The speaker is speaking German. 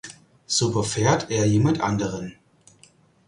So überfährt er jemand anderen.